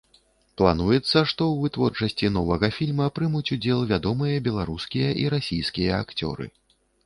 Плануецца, што ў вытворчасці новага фільма прымуць удзел вядомыя беларускія і расійскія акцёры.